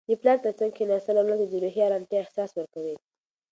د پلار تر څنګ کښیناستل اولاد ته د روحي ارامتیا احساس ورکوي.